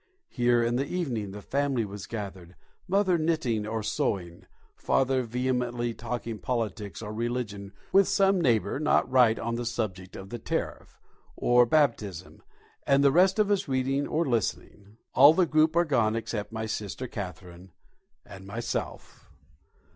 Here in the evening the family were gathered, mother knitting or sewing, father vehemently talking politics or religion with some neighbour not right on the subject of the tariff, or baptism, and the rest of us reading or listening. All the group are gone except my sister Catherine and myself.